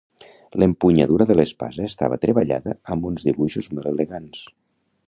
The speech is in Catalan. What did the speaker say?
L'empunyadura de l'espasa estava treballada amb uns dibuixos molt elegants.